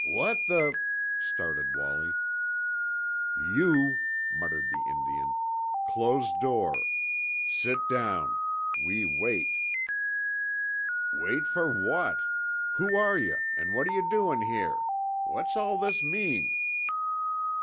"What the ?" started Wallie. "You," muttered the Indian, "close door. Sit down. We wait." "Wait for what? Who are yuh, and what're yuh doin' here? What's all this mean?"